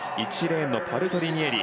１レーンのパルトリニエリ。